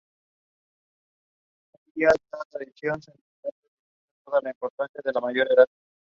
Ombligo abierto.